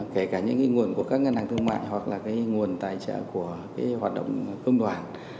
kể cả những nguồn của các ngân hàng thương mại hoặc là cái nguồn tài trợ của hoạt động công đoàn